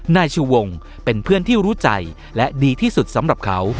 นายชูวงเป็นเพื่อนที่รู้ใจและดีที่สุดสำหรับเขา